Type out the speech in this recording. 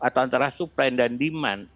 atau antara supply dan demand